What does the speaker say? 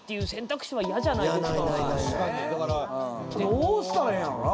どうしたらええんやろな？